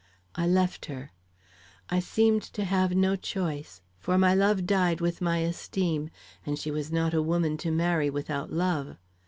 I left her. I seemed to have no choice, for my love died with my esteem, and she was not a woman to marry without love.